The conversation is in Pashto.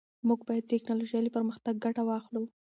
موږ باید د ټیکنالوژۍ له پرمختګ ګټه واخلو.